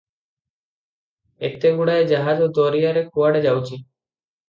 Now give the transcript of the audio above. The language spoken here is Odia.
ଏତେଗୁଡାଏ ଜାହାଜ ଦରିଆରେ କୁଆଡ଼େ ଯାଉଛି ।